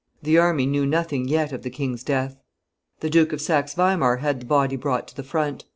The army knew nothing yet of the king's death. The Duke of Saxe Weimar had the body brought to the front.